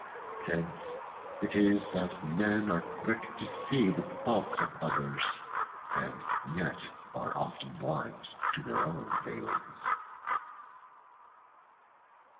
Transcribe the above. Hence it is that men are quick to see the faults of others, and yet are often blind to their own failings.